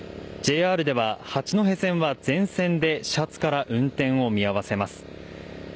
ＪＲでは八戸線は全線で始発から運転を見合わせます。